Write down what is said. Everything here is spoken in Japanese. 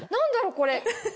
これ。